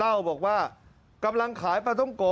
เล่าบอกว่ากำลังขายปลาต้มโกะ